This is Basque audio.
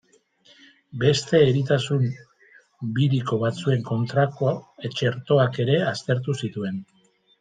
Beste eritasun biriko batzuen kontrako txertoak era aztertu zituen.